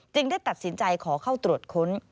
ได้ตัดสินใจขอเข้าตรวจค้น